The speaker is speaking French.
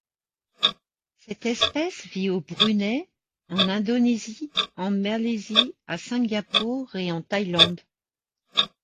Cette espèce vit au Brunei, en Indonésie, en Malaisie, à Singapour et en Thaïlande.